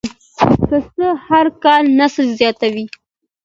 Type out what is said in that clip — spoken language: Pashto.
پسه هر کال نسل زیاتوي.